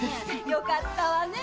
よかったわねえ！